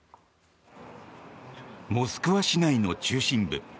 モスクワ市内の中心部。